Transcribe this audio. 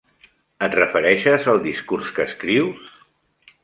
Et refereixes al discurs que escrius?